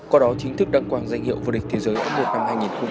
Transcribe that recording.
có đó chính thức đăng quang danh hiệu vdt f một năm hai nghìn một mươi sáu